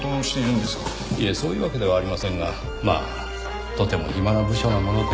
いえそういうわけではありませんがまあとても暇な部署なもので。